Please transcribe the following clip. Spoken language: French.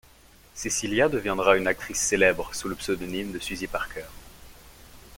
Cecilia deviendra une actrice célèbre sous le pseudonyme de Suzy Parker.